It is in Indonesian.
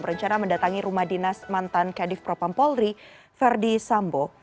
berencana mendatangi rumah dinas mantan kadif propampolri verdi sambo